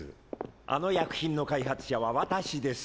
あの薬品の開発者は私です。